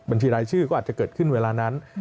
บัญชีรายชื่อก็อาจจะเกิดขึ้นเวลานั้น